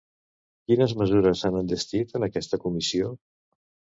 Quines mesures s'han enllestit en aquesta comissió?